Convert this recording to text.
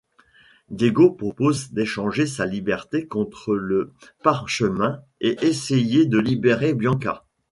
Diego propose d échanger sa liberté contre le parchemin et essayer de libérer Bianca…